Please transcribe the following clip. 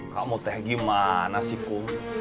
kamu teh gimana sih bu